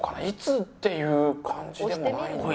いつっていう感じでもない。